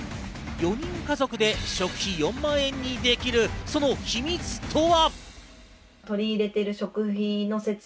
４人家族で食費４万円にできるその秘密とは。